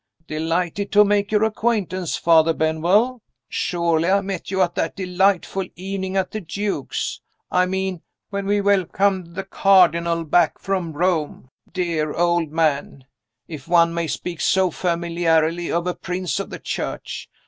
"Delighted to make your acquaintance, Father Benwell. Surely I met you at that delightful evening at the Duke's? I mean when we welcomed the Cardinal back from Rome. Dear old man if one may speak so familiarly of a Prince of the Church.